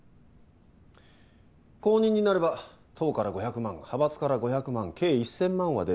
公認になれば党から５００万派閥から５００万計１，０００万は出る。